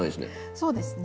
そうですね。